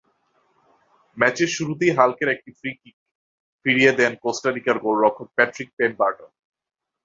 ম্যাচের শুরুতেই হাল্কের একটি ফ্রি-কিক ফিরিয়ে দেন কোস্টারিকার গোলরক্ষক প্যাট্রিক পেমবার্টন।